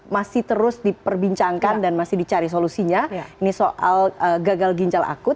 masih terus diperbincangkan dan masih dicari solusinya ini soal gagal ginjal akut